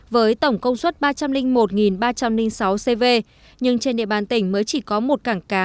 với tổng công suất ba trăm linh một ba trăm linh sáu cv nhưng trên địa bàn tỉnh mới chỉ có một cảng cá